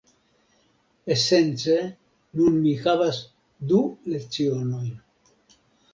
Esence nun mi havas du lecionojn.